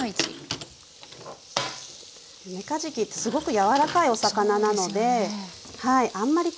めかじきってすごく柔らかいお魚なのであんまり